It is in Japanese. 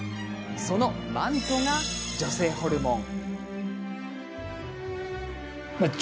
そのマントが女性ホルモン。